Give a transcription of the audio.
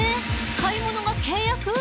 買い物が契約？